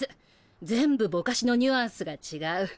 全部ぼかしのニュアンスが違う。